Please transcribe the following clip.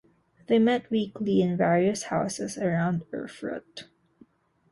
They met weekly in various houses around Erfurt.